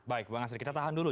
baik bang asri kita tahan dulu